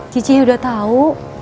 cici udah tahu